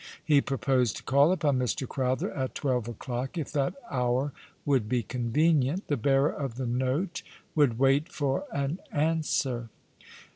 Ho proposed to call upon Mr. Crowther at twelve o'clock, if that hour would be convenient. The bearer of the note would wait for an answer.